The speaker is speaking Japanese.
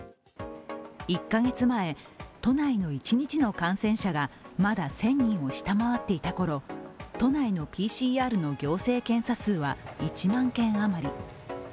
１カ月前、都内の一日の感染者がまだ１０００人を下回っていたころ、都内のＰＣＲの行政検査数は１万件余り。